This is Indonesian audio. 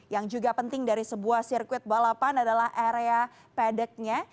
yang juga penting dari sebuah sirkuit balapan adalah area padeknya